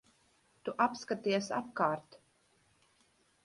Tu apskaties apkārt.